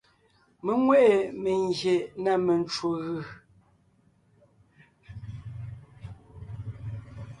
Mé nwé ʼe mengyè na mencwò gʉ.